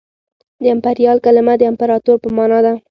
د امپریال کلمه د امپراطور په مانا ده